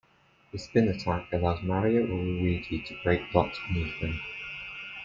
The spin attack allows Mario or Luigi to break blocks beneath him.